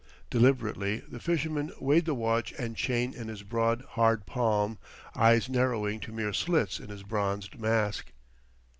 Deliberately the fisherman weighed the watch and chain in his broad, hard palm, eyes narrowing to mere slits in his bronzed mask.